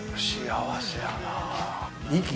幸せやな。